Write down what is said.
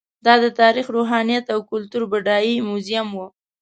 دا د تاریخ، روحانیت او کلتور بډایه موزیم و.